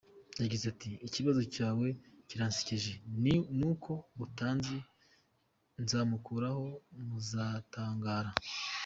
Yagize ati “Ikibazo cyawe kiransekeje ni uko utanzi, nzamumukuraho muzatangara.